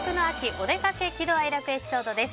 おでかけ喜怒哀楽エピソードです。